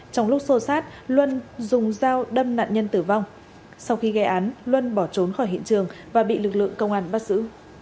trong lúc xô sát luân dùng dao đâm nạn nhân tử vong sau khi gây án luân bỏ trốn khỏi hiện trường và bị lực lượng công an bắt giữ